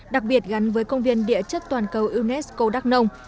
đặc biệt gắn với công viên địa chất toàn cầu unesco đắk nông